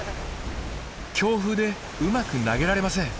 強風でうまく投げられません。